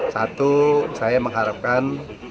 satu saya mengharapkan